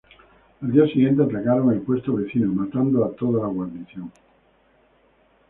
Al día siguiente atacaron el puesto vecino, matando a toda la guarnición.